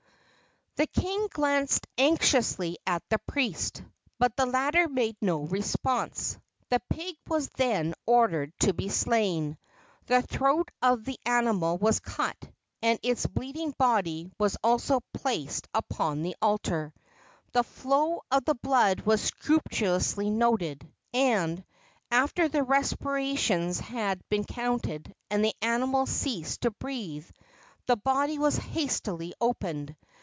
The king glanced anxiously at the priest, but the latter made no response. The pig was then ordered to be slain. The throat of the animal was cut and its bleeding body was also placed upon the altar. The flow of the blood was scrupulously noted, and, after the respirations had been counted and the animal ceased to breathe, the body was hastily opened.